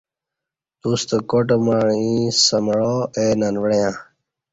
توستہ کا ٹ مع ییں سمعا اے ننوعݩہ